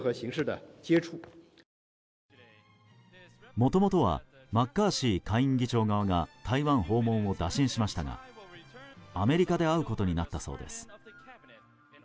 もともとはマッカーシー下院議長側が台湾訪問を打診しましたがアメリカで会うことになったそうです。